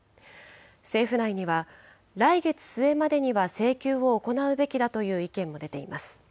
政府内には、来月末までには請求を行うべきだという意見も出ています。